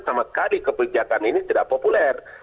sama sekali kebijakan ini tidak populer